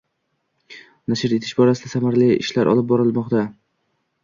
Nashr etish borasida samarali ishlar olib borilmoqda